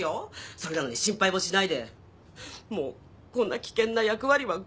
それなのに心配もしないでもうこんな危険な役割はごめんです